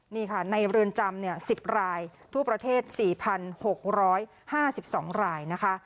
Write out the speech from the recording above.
นี่ค่ะในเรือนจำเนี่ยสิบรายทั่วประเทศสี่พันหกร้อยห้าสิบสองรายนะคะ